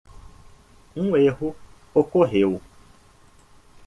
Um erro ocorreu.